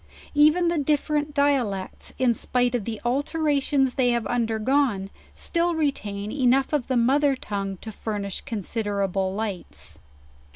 Even the differ ent dialects, in spite of the alterations they have undergone, still retain enough of the mother tongue to furnish considera ble lights.